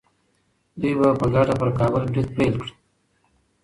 دوی به په ګډه پر کابل برید پیل کړي.